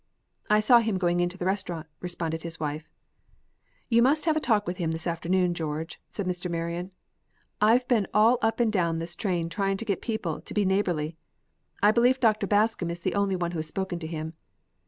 "I saw him going into the restaurant," replied his wife. "You must have a talk with him this afternoon, George," said Mr. Marion. "I've been all up and down this train trying to get people to be neighborly. I believe Dr. Bascom is the only one who has spoken to him.